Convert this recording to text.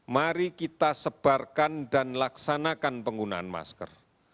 mari kita sebarkan dan laksanakan penggunaan masker